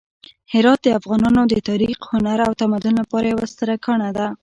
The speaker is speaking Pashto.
هرات د افغانانو د تاریخ، هنر او تمدن لپاره یوه ستره ګاڼه ده.